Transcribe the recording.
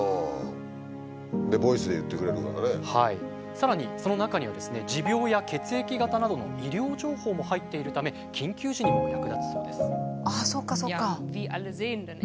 さらにその中にはですね持病や血液型などの医療情報も入っているため緊急時にも役立つそうです。